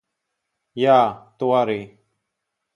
Jā, tu arī.